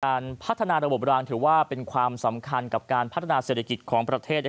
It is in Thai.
การพัฒนาระบบรางถือว่าเป็นความสำคัญกับการพัฒนาเศรษฐกิจของประเทศ